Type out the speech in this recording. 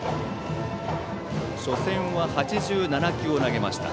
初戦は８７球を投げました。